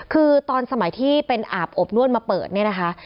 คือตอนสมัยที่เป็นอาบอบนวดมาเปิดเนี่ยนะคะ